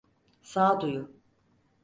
Sağduyu.